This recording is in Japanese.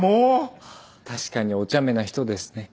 確かにおちゃめな人ですね。